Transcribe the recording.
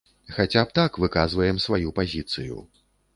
Хаця б так выказваем сваю пазіцыю.